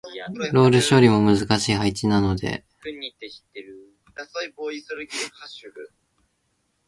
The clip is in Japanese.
ロール処理も難しい配置なので純粋なシングル力が要求される。一方、技術要素は他の超難関の譜面に比べやや劣り、個人差では難関クラスとも言える。